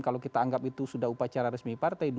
kalau kita anggap itu sudah upacara resmi partai